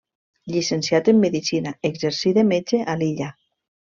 Llicenciat en medicina, exercí de metge a l'illa.